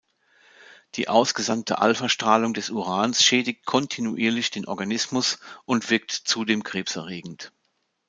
Die ausgesandte Alphastrahlung des Urans schädigt kontinuierlich den Organismus und wirkt zudem krebserregend.